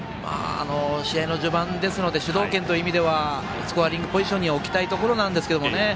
試合の序盤ですので主導権という意味ではそこはスコアリングポジションに置きたいところなんですけどね。